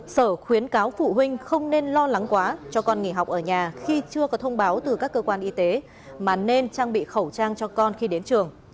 sở khuyến cáo phụ huynh không nên lo lắng quá cho con nghỉ học ở nhà khi chưa có thông báo từ các cơ quan y tế mà nên trang bị khẩu trang cho con khi đến trường